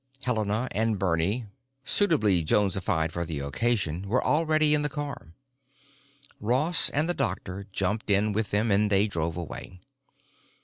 Helena and Bernie, suitably Jonesified for the occasion, were already in the car; Ross and the doctor jumped in with them, and they drove away.